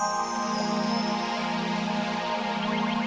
kamu waspada mungkin ke sisi si orang berlari itu tadi daya daya